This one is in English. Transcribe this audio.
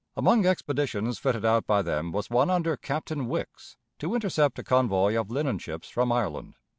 Among expeditions fitted out by them was one under Captain Wickes to intercept a convoy of linen ships from Ireland.